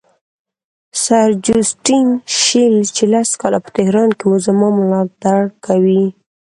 سر جوسټین شیل چې لس کاله په تهران کې وو زما ملاتړ کوي.